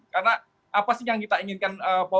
karena apa sih yang kita inginkan